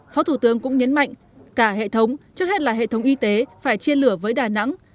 phó thủ tướng cũng nhấn mạnh cả hệ thống trước hết là hệ thống y tế phải chia lửa với đà nẵng